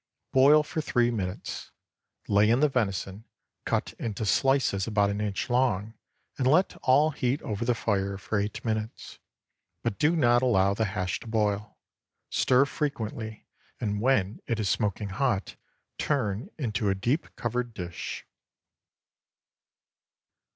Boil for three minutes; lay in the venison, cut into slices about an inch long, and let all heat over the fire for eight minutes, but do not allow the hash to boil. Stir frequently, and when it is smoking hot, turn into a deep covered dish.